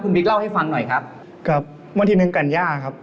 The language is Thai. บิ๊กเล่าให้ฟังหน่อยครับครับวันที่หนึ่งกันยาครับ